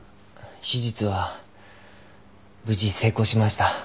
手術は無事成功しました。